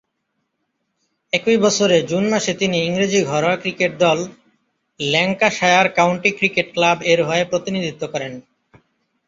একই বছরে জুন মাসে তিনি ইংরেজি ঘরোয়া ক্রিকেট দল "ল্যাঙ্কাশায়ার কাউন্টি ক্রিকেট ক্লাব" এর হয়ে প্রতিনিধিত্ব করেন।